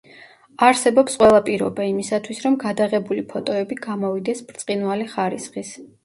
არსებობს ყველა პირობა იმისათვის, რომ გადაღებული ფოტოები გამოვიდეს ბრწყინვალე ხარისხის.